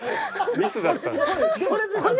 ミスがあったんですね。